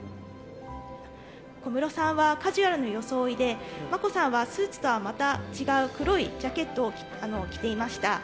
小室さんはカジュアルな装いで、眞子さんはスーツとはまた違う黒いジャケットを着ていました。